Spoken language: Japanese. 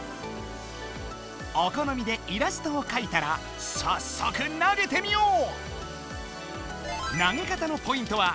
おこのみでイラストをかいたらさっそく投げてみよう！